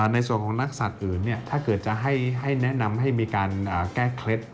ในส่วนของนักศัตริย์อื่นถ้าเกิดจะให้แนะนำให้มีการแก้เคล็ด